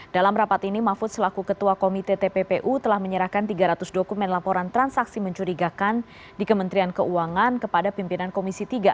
dalam rapat ini mahfud selaku ketua komite tppu telah menyerahkan tiga ratus dokumen laporan transaksi mencurigakan di kementerian keuangan kepada pimpinan komisi tiga